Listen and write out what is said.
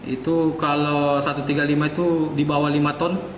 itu kalau satu ratus tiga puluh lima itu di bawah lima ton